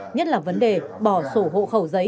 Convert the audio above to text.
nhất là vấn đề bỏ sổ hộ khẩu giấy